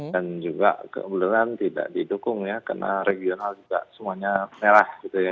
dan juga keunggulan tidak didukung ya karena regional juga semuanya merah gitu ya